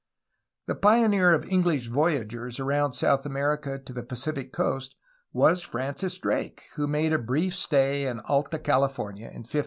The pioneer of EngUsh voyagers around South America to the Pacific coast was Francis Drake, who made a brief stay in Alta California in 1579.